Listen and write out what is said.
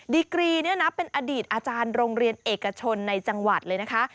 ดีกรีเนี่ยนะเป็นอดีตอาจารย์โรงเรียนเอกชนในจังหวัดเลยนะคะ